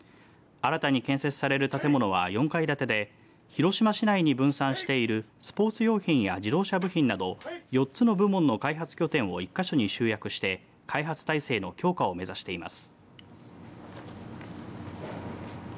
新たに建設される建物は４階建てで広島市内に分散しているスポーツ用品や自動車部品など４つの部門の開発拠点を１か所に集約して開発体制の強化を目指しています。